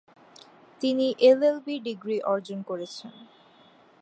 তিনি LLB degree অর্জন করেছেন।